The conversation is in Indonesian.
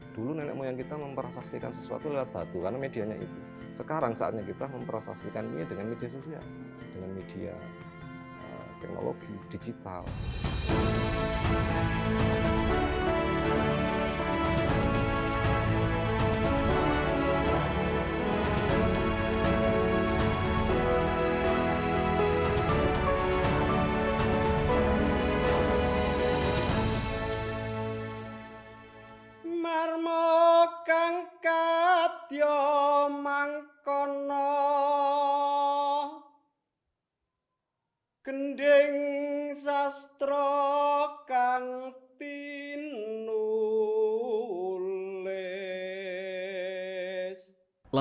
dulu nenek moyang kita memperasastikan sesuatu lewat batu karena medianya itu sekarang saatnya kita memperasastikan ini dengan media sosial